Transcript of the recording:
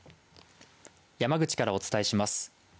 山口からお伝えします。